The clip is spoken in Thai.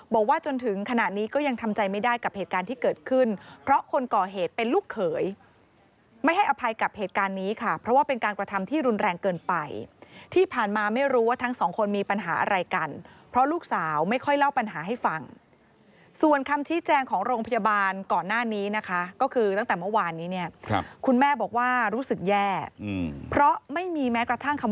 บอกว่าจนถึงขณะนี้ก็ยังทำใจไม่ได้กับเหตุการณ์ที่เกิดขึ้นเพราะคนก่อเหตุเป็นลูกเขยไม่ให้อภัยกับเหตุการณ์นี้ค่ะเพราะว่าเป็นการกระทำที่รุนแรงเกินไปที่ผ่านมาไม่รู้ว่าทั้งสองคนมีปัญหาอะไรกันเพราะลูกสาวไม่ค่อยเล่าปัญหาให้ฟังส่วนคำชี้แจงของโรงพยาบาลก่อนหน้านี้นะคะก็คือตั้งแต่เมื่อวานนี้เนี่ยคุณแม่บอกว่ารู้สึกแย่เพราะไม่มีแม้กระทั่งคำ